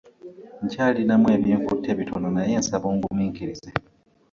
Nkyalinamu ebinkutte bitono naye nsaba onguminkirize.